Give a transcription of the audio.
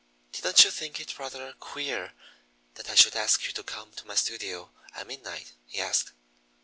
"Didn't you think it rather queer that I should ask you to come to my studio at midnight?" he asked.